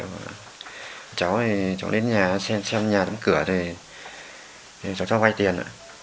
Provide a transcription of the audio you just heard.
cháu thì cháu đến nhà xem nhà tấm cửa thì cháu cho vay tiền